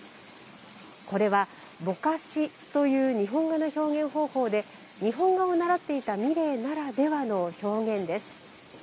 これは「ぼかし」という日本画の表現方法で日本画を習っていた三玲ならではの表現です。